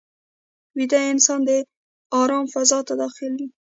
ویده انسان د آرام فضا ته داخل وي